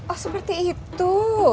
oh seperti itu